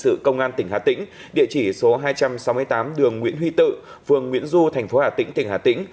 sự công an tỉnh hà tĩnh địa chỉ số hai trăm sáu mươi tám đường nguyễn huy tự phường nguyễn du thành phố hà tĩnh tỉnh hà tĩnh